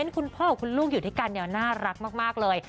คุณพ่อของคุณลูกอยู่ด้วยกันเนี่ยน่ารักมากเลย